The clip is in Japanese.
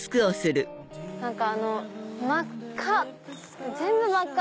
何かあの真っ赤！